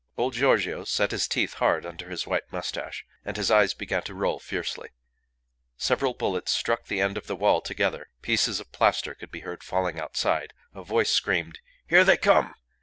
Old Giorgio set his teeth hard under his white moustache, and his eyes began to roll fiercely. Several bullets struck the end of the wall together; pieces of plaster could be heard falling outside; a voice screamed "Here they come!"